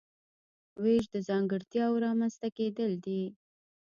وېش د ځانګړتیاوو رامنځته کیدل دي.